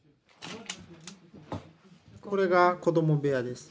これが子供部屋です。